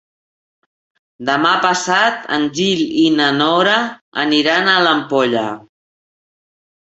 Demà passat en Gil i na Nora aniran a l'Ampolla.